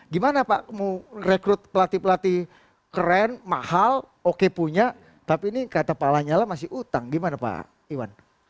gimana pak mau rekrut pelatih pelatih keren mahal oke punya tapi ini kata pak lanyala masih utang gimana pak iwan